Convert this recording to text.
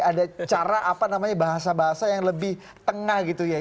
ada cara apa namanya bahasa bahasa yang lebih tengah gitu ya